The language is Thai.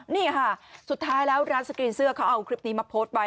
นี่ค่ะสุดท้ายแล้วร้านสกรีนเสื้อเขาเอาคลิปนี้มาโพสต์ไว้